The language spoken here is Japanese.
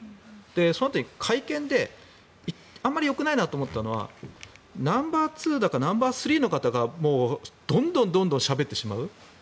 そうなった時に会見であまりよくないなと思ったのはナンバーツーだかナンバースリーの方がどんどんしゃべってしまう。